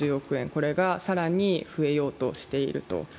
これが更に増えようとしていると。